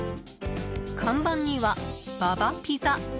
看板には「ＢａＢａピザ」。